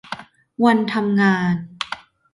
วันทำงาน